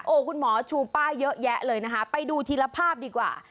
คุณหมอชูป้ายเยอะแยะเลยนะคะไปดูทีละภาพดีกว่า